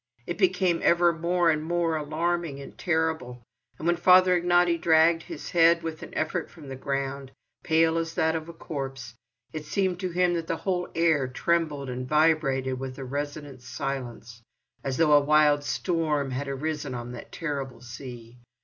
It became ever more and more alarming and terrible, and when Father Ignaty dragged his head with an effort from the ground, pale as that of a corpse, it seemed to him that the whole air trembled and vibrated with a resonant silence, as though a wild storm had arisen on that terrible sea.